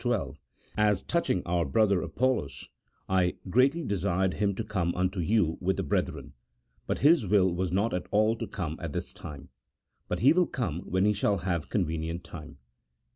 12, "As touching our brother Apollos, I greatly desired him to come unto you with the brethren, but his will was not at all to come at this time : but he will come when he shall have con venient time."